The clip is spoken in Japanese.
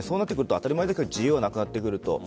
当たり前だけど自由がなくなってくると。